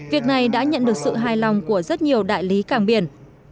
việc này đã nhận được sự hài lòng của rất nhiều đại lý cảng biển